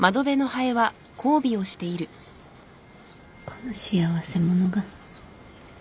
この幸せ者が。